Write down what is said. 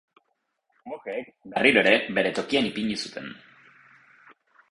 Monjeek berriro ere bere tokian ipini zuten.